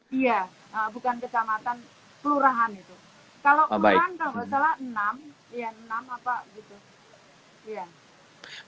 iya bukan kecamatan kelurahan itu kalau kelurahan kalau nggak salah enam